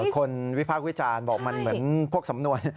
วิพากษ์วิจารณ์บอกมันเหมือนพวกสำนวน